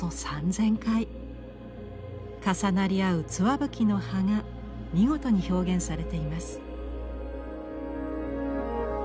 重なり合うツワブキの葉が見事に表現されています。